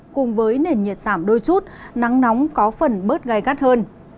cùng với nền nhiệt giảm đôi chút nắng nóng có phần bớt gai gắt hơn